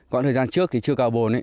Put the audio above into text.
khoảng thời gian trước thì chưa cào bồn ấy